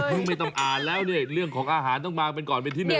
ไม่ต้องอ่านแล้วเนี่ยเรื่องของอาหารต้องมากันก่อนเป็นที่หนึ่ง